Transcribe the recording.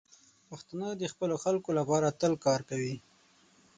پښتانه د خپلو خلکو لپاره تل کار کوي.